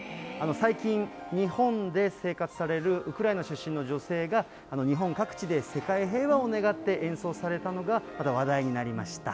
最近、日本で生活されるウクライナ出身の女性が、日本各地で世界平和を願って演奏されたのが、話題になりました。